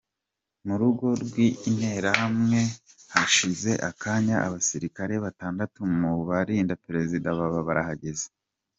Mu rugo rw’Interahamwe, hashize akanya abasirikare batandatu mu barindaga Perezida baba barahageze.